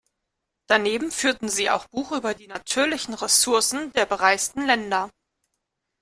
Daneben führten sie auch Buch über die natürlichen Ressourcen der bereisten Länder.